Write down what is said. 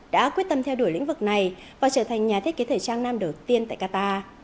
đã quyết tâm theo đuổi lĩnh vực này và trở thành nhà thiết kế thời trang nam đầu tiên tại qatar